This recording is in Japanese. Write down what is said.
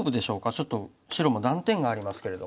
ちょっと白も断点がありますけれど。